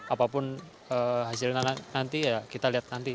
apapun hasilnya nanti ya kita lihat nanti